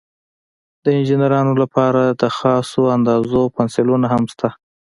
د انجینرانو لپاره د خاصو اندازو پنسلونه هم شته.